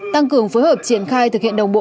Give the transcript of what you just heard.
tăng cường phối hợp triển khai thực hiện đồng bộ